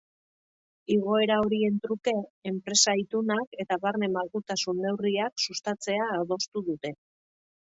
Igoera horien truke, enpresa-itunak eta barne-malgutasun neurriak sustatzea adostu dute.